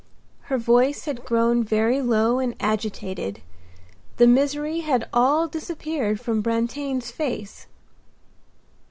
Her voice had grown very low and agitated. The misery had all disappeared from Brantain's face.